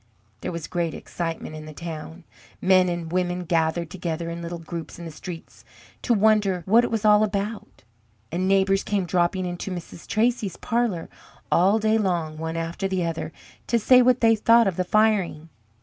There was great excitement in the town; men and women gathered together in little groups in the streets to wonder what it was all about, and neighbours came dropping into Mrs. Tracy's parlour, all day long, one after the other, to say what they thought of the firing.